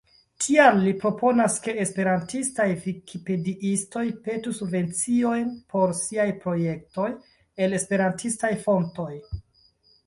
Tial li proponas, ke esperantistaj vikipediistoj petu subvenciojn por siaj projektoj el esperantistaj fontoj.